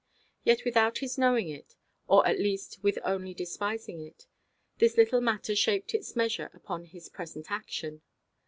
Yet without his knowing it, or at least with only despising it, this little matter shaped its measure upon his present action.